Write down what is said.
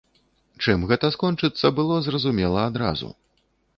Чым гэта скончыцца, было зразумела адразу.